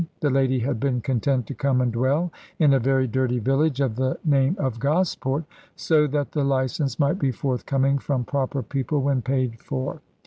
The lady had been content to come and dwell in a very dirty village of the name of Gosport, so that the licence might be forthcoming from proper people when paid for.